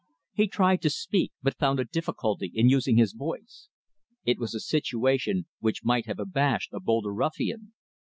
He tried to speak, but found a difficulty in using his voice. It was a situation which might have abashed a bolder ruffian.